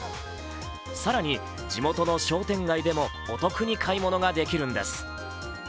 更に地元の商店街でもお得に買い物ができるんです。